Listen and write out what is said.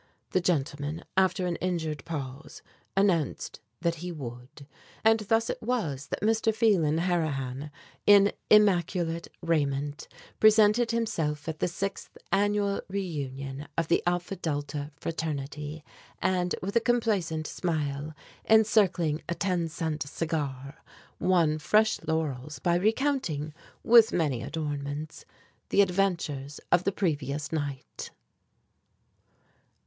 The gentleman, after an injured pause, announced that he would. And thus it was that Mr. Phelan Harrihan, in immaculate raiment, presented himself at the Sixth Annual Reunion of the Alpha Delta fraternity and, with a complacent smile encircling a ten cent cigar, won fresh laurels by recounting, with many adornments, the adventures of the previous night.